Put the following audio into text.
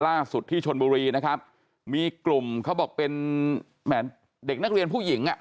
ล่าสุดที่ชนบุรีนะครับมีกลุ่มเขาบอกเป็นแหมเด็กนักเรียนผู้หญิงอ่ะ